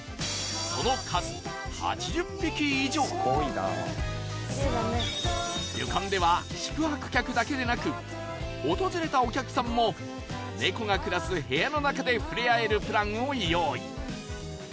その数旅館では宿泊客だけでなく訪れたお客さんもネコが暮らす部屋の中で触れ合えるプランを用意